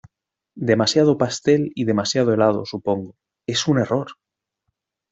Demasiado pastel y demasiado helado, supongo. ¡ es un error!